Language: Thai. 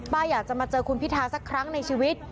อยากจะมาเจอคุณพิทาสักครั้งในชีวิต